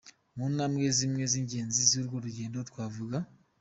Mu ntambwe zimwe z’ingenzi z’urwo rugendo twavuga: